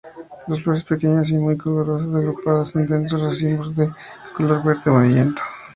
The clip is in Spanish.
Las flores pequeñas y muy olorosas agrupadas en densos racimos de color verde amarillento.